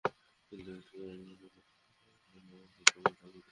কিন্তু এটির কারণে এক বাচ্চার পাওয়া মানসিক আঘাত অবহেলা করেছি।